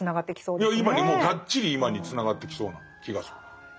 いや今にもがっちり今につながってきそうな気がする。